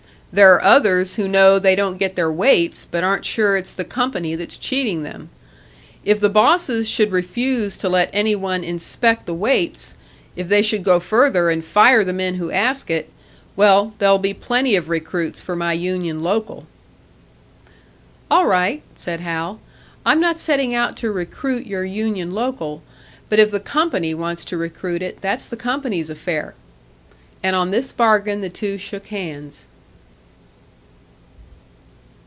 There are others who know they don't get their weights, but aren't sure its the company that's cheating them. If the bosses should refuse to let any one inspect the weights, if they should go further and fire the men who ask it well, there'll be plenty of recruits for my union local!" "All right," said Hal. "I'm not setting out to recruit your union local, but if the company wants to recruit it, that's the company's affair!" And on this bargain the two shook hands.